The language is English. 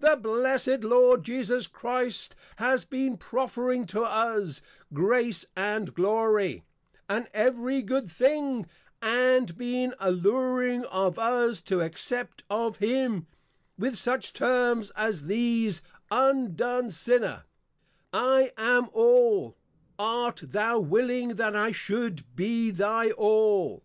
The Blessed Lord Jesus Christ has been profering to us, Grace, and Glory, and every good thing, and been alluring of us to Accept of Him, with such Terms as these, _Undone Sinner, I am All; Art thou willing that I should be thy All?